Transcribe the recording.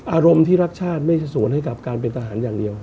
อารมณ์ที่รักชาติไม่ใช่สวนให้กับการเป็นทหารอย่างเดียว